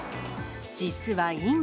実は今。